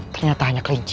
ternyata hanya kelinci